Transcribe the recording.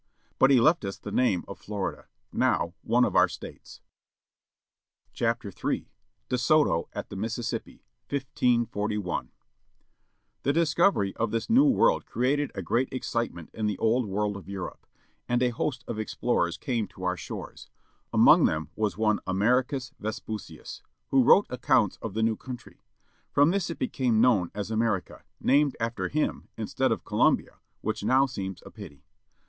But he left us the name of Florida, now one of our States. II'ICE DE LEON IN SEARCH OF THE MAGIC SPKING DE SOTO AT THE MISSISSIPPI. 1541 HE discovery of this new world created a great excitement in the old world of Europe. And a host of explorers came to our shores. Among them was one Americus Vespucius, who wrote accounts of the new coimtry. From this it became known as America, named after him, instead of Columbia, which now seems a pity.